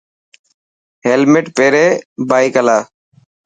هيلمٽ پيري بائڪ هلاءِ.